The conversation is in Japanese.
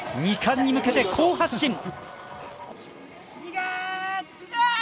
２冠に向けて好発進。